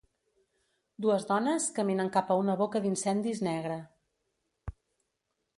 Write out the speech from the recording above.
Dues dones caminen cap a una boca d'incendis negra.